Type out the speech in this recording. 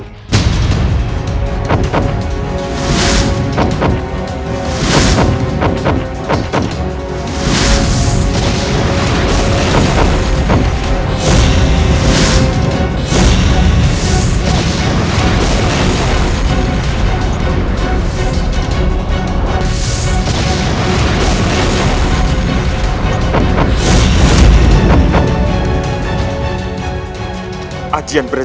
kau akan menyesal nanti